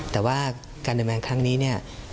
แต่ว่าการเดินบรรยายงานครั้งนี้เนี่ย